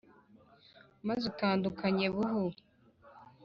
maze untandukanye buhu